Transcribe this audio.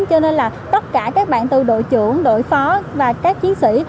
cho nên là tất cả các bạn từ đội trưởng đội phó và các chiến sĩ